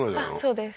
そうです